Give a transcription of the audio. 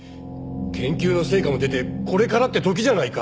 研究の成果も出てこれからって時じゃないか！